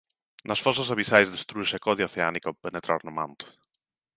Nas fosas abisais destrúese a codia oceánica ao penetrar no manto.